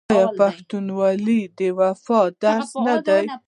آیا پښتونولي د وفا درس نه دی؟